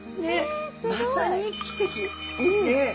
まさに奇跡ですね。